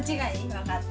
分かった。